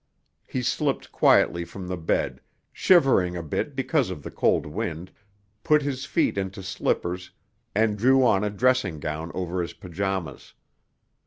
He slipped quietly from the bed, shivering a bit because of the cold wind, put his feet into slippers, and drew on a dressing gown over his pajamas.